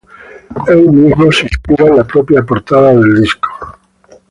El mismo se inspira en la propia portada del disco.